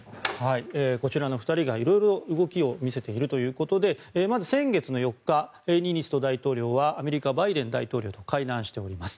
こちらの２人がいろいろと動きを見せているということでまず、先月の４日ニーニスト大統領はアメリカ、バイデン大統領と会談しております。